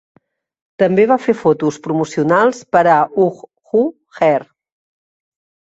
També va fer fotos promocionals per a Uh Huh Her.